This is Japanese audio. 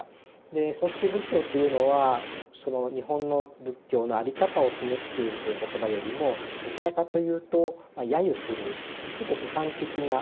で葬式仏教っていうのは日本の仏教の在り方を示しているという言葉よりもどちらかというとやゆするちょっと批判的な。